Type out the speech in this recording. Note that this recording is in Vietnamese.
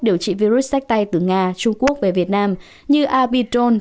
điều trị virus sách tay từ nga trung quốc về việt nam như abitol